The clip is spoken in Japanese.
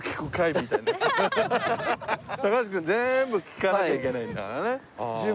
高橋君全部聞かなきゃいけないからね。